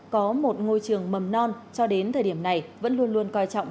có một ngôi trường mầm non cho đến thời điểm này vẫn luôn luôn coi trọng